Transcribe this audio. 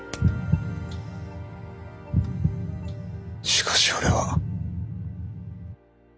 しかし俺は。